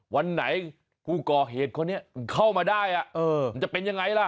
วันไหนผู้ก่อเหตุคนนี้เข้ามาได้มันจะเป็นยังไงล่ะ